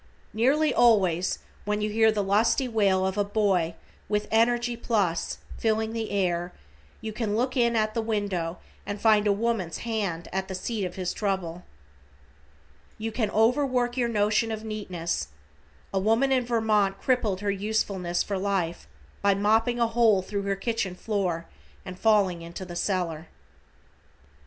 Nearly always when you hear the lusty wail of a boy with energy plus filling the air, you can look in at the window and find a woman's hand at the seat of his trouble. You can over work your notion of neatness. A woman in Vermont crippled her usefulness for life, by mopping a hole thru her kitchen floor and falling into the cellar.